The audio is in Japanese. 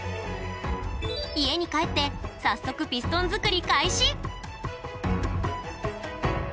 家に帰って早速ピストン作り開始！